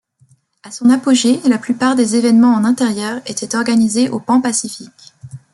À son apogée la plupart des événements en intérieur était organisé au Pan-Pacific.